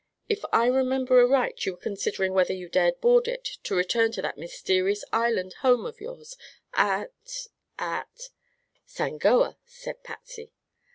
If I remember aright, you were considering whether you dared board it to return to that mysterious island home of yours at at " "Sangoa," said Patsy.